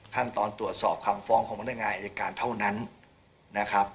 ขั้นตอนตรวจสอบคำฟ้องของพนักงานอายการเท่านั้นนะครับ